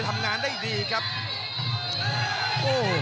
กำปั้นขวาสายวัดระยะไปเรื่อย